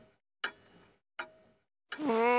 うん。